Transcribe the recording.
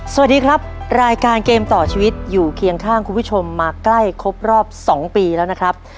สวัสดีครับรายการเกมต่อชีวิตอยู่เคียงข้างคุณผู้ชมมาใกล้ครบรอบ๒ปีแล้วนะครับ